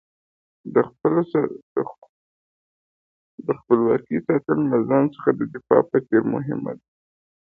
د خپلواکۍ ساتنه له ځان څخه د دفاع په څېر مهمه ده.